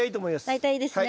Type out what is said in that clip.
大体いいですね。